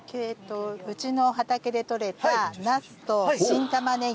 うちの畑で取れたナスと新タマネギ。